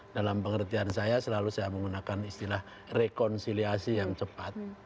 dalam pengertian saya selalu saya menggunakan istilah rekonsiliasi yang cepat